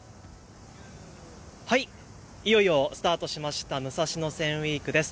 いよいよスタートしました武蔵野線ウイークです。